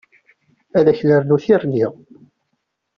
Ad k-nernu tirni.